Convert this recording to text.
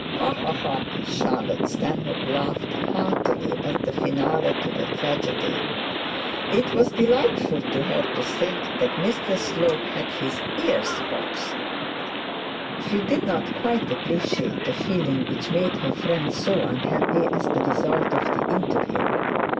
'Ha, ha, ha!' Charlotte Stanhope laughed heartily at the finale of the tragedy. It was delightful to her to think that Mr Slope had had his ears boxed. She did not quite appreciate the feeling which made her friend so unhappy at the result of the interview.